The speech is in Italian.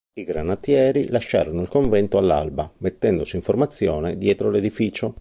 I granatieri lasciarono il convento all'alba, mettendosi in formazione dietro l'edificio.